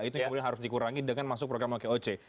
itu yang kemudian harus dikurangi dengan masuk program okoc